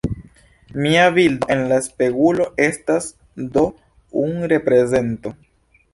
Mia bildo en la spegulo estas do un reprezento.